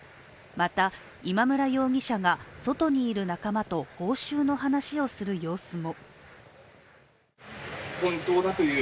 また今村容疑者が外にいる仲間と報酬の話をする様子も。